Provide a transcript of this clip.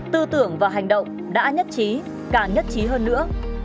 tư tưởng và hành động đã nhất trí càng nhất trí hơn nữa